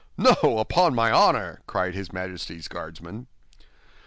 "No, upon my honor!" cried his Majesty's Guardsman.